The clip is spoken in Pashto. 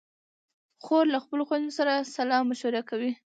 خور له خپلو خویندو سره سلا مشورې کوي.